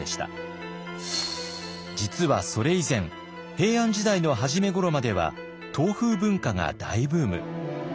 実はそれ以前平安時代の初めごろまでは唐風文化が大ブーム。